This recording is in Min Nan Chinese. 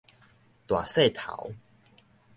大細頭